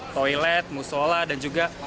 toilet musola dan juga